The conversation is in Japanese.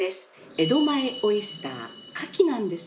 江戸前オイスター牡蠣なんです。